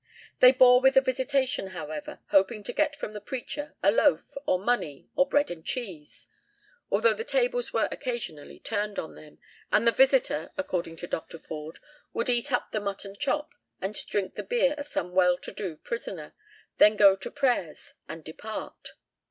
They bore with the visitation, however, hoping to get from the preacher a loaf, or money, or bread and cheese; although the tables were occasionally turned on them, and the visitor, according to Dr. Forde, "would eat up the mutton chop and drink the beer of some well to do prisoner, then go to prayers, and depart."